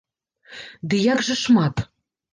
Ды як жа шмат!